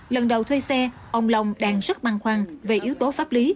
lần đầu thuê xe ông long đang rất băng khoăn về yếu tố pháp lý